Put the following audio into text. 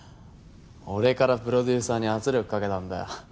俺からプロデューサーに圧力かけたんだよ。